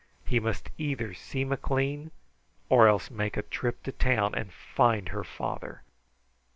He must either see McLean, or else make a trip to town and find her father.